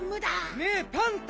ねえパンタ！